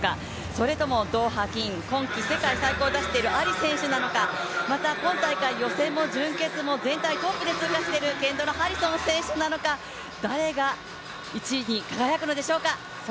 それともドーハ金、今季世界最高を出しているアリ選手なのか、また今大会予選も準決も全体トップで通過している、ケンドラ・ハリソン選手なのか、誰が１位に輝くのでしょうか。